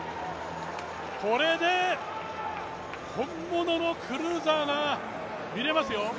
これで本物のクルーザーが見れますよ。